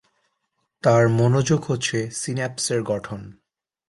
তার মনোযোগ হচ্ছে সিন্যাপসের গঠন।